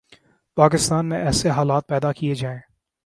پاکستان میں ایسے حالات پیدا کئیے جائیں